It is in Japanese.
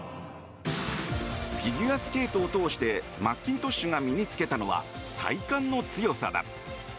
フィギュアスケートを通してマッキントッシュが身に付けたのは体幹の強さだ。